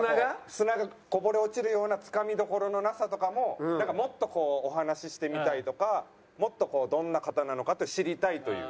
砂がこぼれ落ちるようなつかみどころのなさとかももっとお話ししてみたいとかもっとどんな方なのか知りたいという。